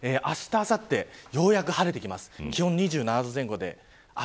週間予報を見ると、あしたあさってようやく晴れてきます。